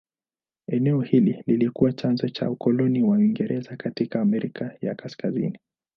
Eneo hili lilikuwa chanzo cha ukoloni wa Uingereza katika Amerika ya Kaskazini.